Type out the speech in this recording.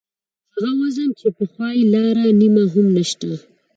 هغه وزن چې پخوا یې لاره نیم هم نشته.